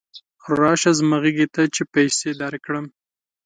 راشه زما غېږې ته چې پیسې درکړم.